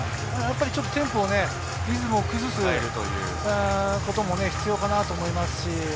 テンポ、リズムを崩すということも必要かなと思います。